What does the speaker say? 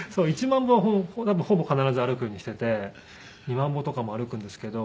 １万歩はほぼ必ず歩くようにしてて２万歩とかも歩くんですけど。